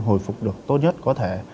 hồi phục được tốt nhất có thể